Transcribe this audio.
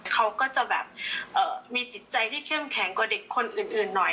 เขาก็จะแบบมีจิตใจที่เข้มแข็งกว่าเด็กคนอื่นหน่อย